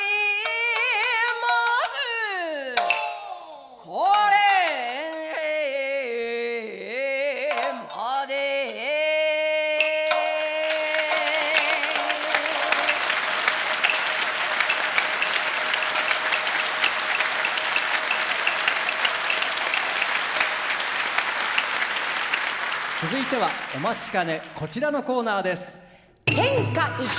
まずこれまで続いてはお待ちかねこちらのコーナーです。